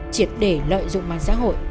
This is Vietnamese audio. triệt để lợi dụng màn xã hội